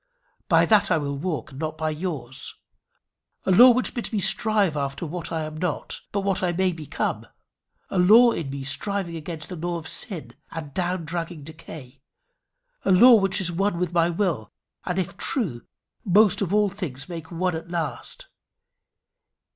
By that I will walk, and not by yours a law which bids me strive after what I am not but may become a law in me striving against the law of sin and down dragging decay a law which is one with my will, and, if true, must of all things make one at last.